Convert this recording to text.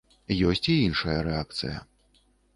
Ёсць і іншая рэакцыя.